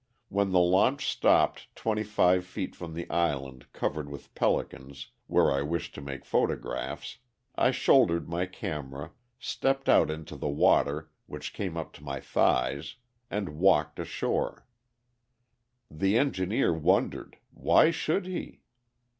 When the launch stopped twenty feet from the island covered with pelicans, where I wished to make photographs, I shouldered my camera, stepped out into the water, which came up to my thighs, and walked ashore. The engineer wondered. Why should he?